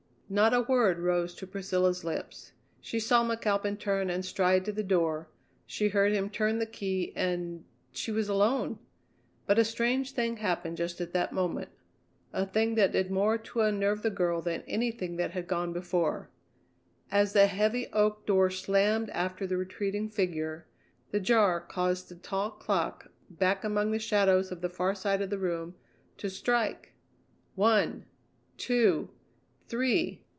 Not a word rose to Priscilla's lips. She saw McAlpin turn and stride to the door; she heard him turn the key and she was alone! But a strange thing happened just at that moment, a thing that did more to unnerve the girl than anything that had gone before. As the heavy oak door slammed after the retreating figure, the jar caused the tall clock, back among the shadows of the far side of the room, to strike! One, two, three!